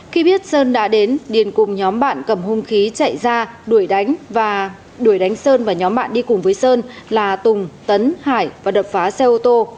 khi biết sơn đã đến điền cùng nhóm bạn cầm hung khí chạy ra đuổi đánh và đuổi đánh sơn và nhóm bạn đi cùng với sơn là tùng tấn hải và đập phá xe ô tô